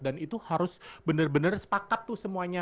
dan itu harus bener bener sepakat tuh semuanya